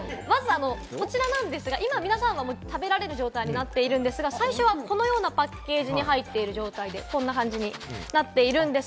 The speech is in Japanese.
まず、こちらなんですが、今、皆さんが食べられる状態になっているんですが、最初はこのようなパッケージに入っている状態でこんな感じになっています。